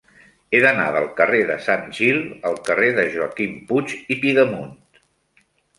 He d'anar del carrer de Sant Gil al carrer de Joaquim Puig i Pidemunt.